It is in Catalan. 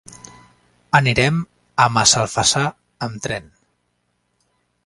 Anirem a Massalfassar amb tren.